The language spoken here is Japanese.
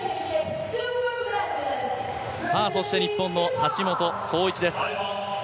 そして日本の橋本壮市です。